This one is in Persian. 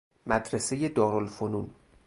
مدرسۀ دار الفنون